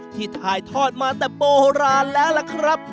ที่ถ่ายทอดมาแต่โบราณแล้วล่ะครับ